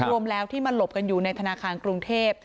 รวมแล้วที่มาหลบกันอยู่ในธนาคารกรุงเทพ